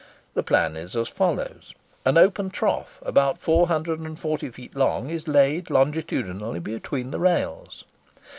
The plan is as follows:—An open trough, about 440 feet long, is laid longitudinally between the rails.